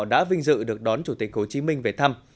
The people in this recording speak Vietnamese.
đã vinh dự được đón chủ tịch hồ chí minh về thăm